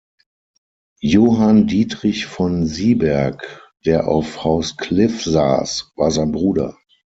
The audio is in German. Johann Diedrich von Syberg der auf Haus Kliff saß, war sein Bruder.